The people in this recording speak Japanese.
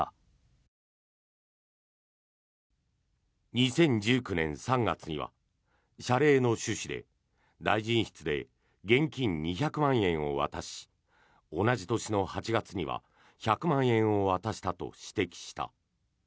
２０１９年３月には謝礼の趣旨で大臣室で現金２００万円を渡し同じ年の８月には１００万円を渡したと指摘した。